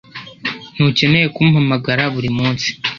Ntukeneye kumpamagara buri munsi